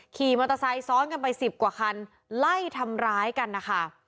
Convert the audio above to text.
ขี่มอเตอร์ไซค์ซ้อนกันไปสิบกว่าคันไล่ทำร้ายกันนะคะ